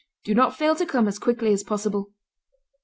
Do not fail to come as quickly as possible."